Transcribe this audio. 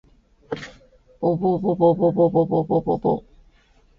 ぼぼぼぼぼぼぼぼぼぼ